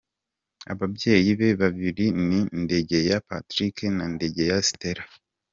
Ababyeyi be babiri ni Ndegeya Patrick na Ndegeya Stella.